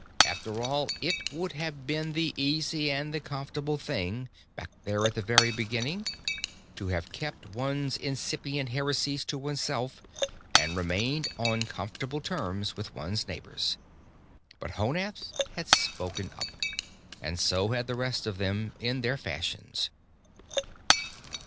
After all, it would have been the easy and the comfortable thing, back there at the very beginning, to have kept one's incipient heresies to oneself and remained on comfortable terms with one's neighbors. But Honath had spoken up, and so had the rest of them, in their fashions.